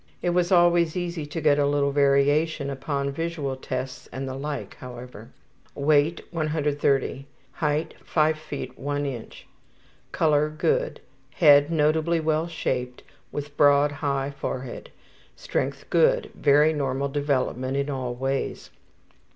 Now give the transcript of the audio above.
It was always easy to get a little variation upon visual tests and the like, however. Weight 130; height 5 ft. 1 in. Color good. Head notably well shaped with broad high forehead. Strength good. Very normal development in all ways.